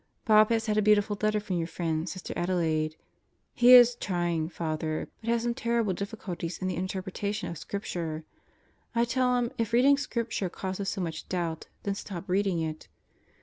Bob has had a beautiful letter from your friend, Sister Adelaide. He is trying, Father, but has some terrible difficulties in the inter pretation of Scripture. I tell him if reading Scripture causes so much doubt, then stop reading it.